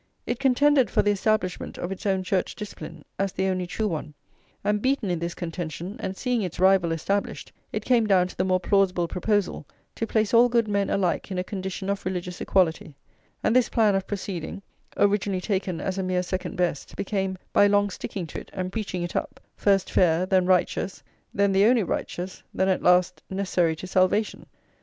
It contended for the establishment of its own church discipline as the only true [li] one; and beaten in this contention, and seeing its rival established, it came down to the more plausible proposal "to place all good men alike in a condition of religious equality;" and this plan of proceeding, originally taken as a mere second best, became, by long sticking to it and preaching it up, first fair, then righteous, then the only righteous, then at last necessary to salvation.